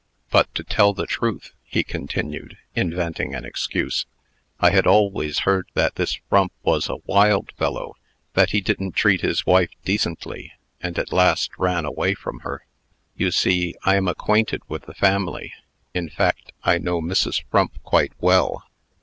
But, to tell the truth," he continued (inventing an excuse), "I had always heard that this Frump was a wild fellow; that he didn't treat his wife decently, and at last ran away from her. You see I am acquainted with the family. In fact, I know Mrs. Frump quite well."